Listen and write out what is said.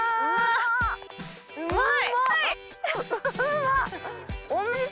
うまい！